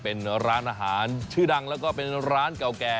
เป็นร้านอาหารชื่อดังแล้วก็เป็นร้านเก่าแก่